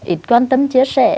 ít quan tâm chia sẻ